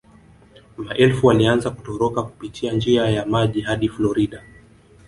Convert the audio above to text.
Maelfu walianza kutoroka kupitia njia ya maji hadi Florida